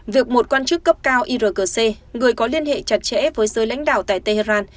việc một quan chức cấp cao irgc người có liên hệ chặt chẽ với giới lãnh đạo tại tehran